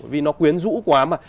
vì nó quyến rũ quá mà